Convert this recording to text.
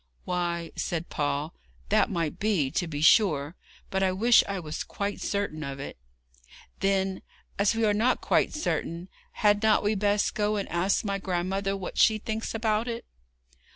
'Why,' said Paul, 'that might be, to be sure, but I wish I was quite certain of it.' 'Then, as we are not quite certain, had not we best go and ask my grandmother what she thinks about it?'